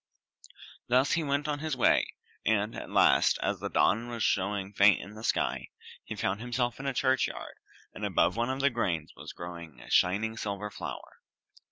Thus he went on his way, and at last, as the dawn was showing faint in the sky, he found himself in a churchyard, and above one of the graves was growing a shining silver flower.